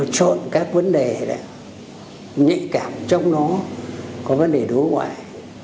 trọn các vấn đề nhị cảm trong nó có vấn đề đối ngoại